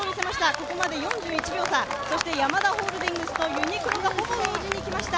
ここまで４１秒差、ヤマダホールディングスとユニクロがほぼ同時にいきました。